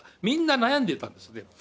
みんな悩んでたんですね。